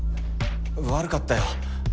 悪かったよ。